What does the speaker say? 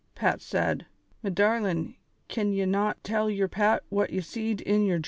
Pat said : "Me darlin', ken ye not tell yer Pat what ye seed in yer .